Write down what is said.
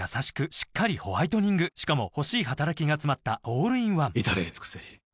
しっかりホワイトニングしかも欲しい働きがつまったオールインワン至れり尽せりよし降りろ。